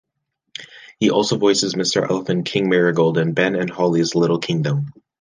He also voices Mr. Elf and King Marigold in "Ben and Holly's Little Kingdom".